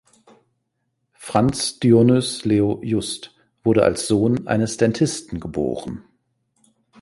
Franz Dionys Leo Just wurde als Sohn eines Dentisten geboren.